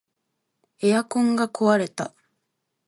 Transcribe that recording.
エアコンが壊れた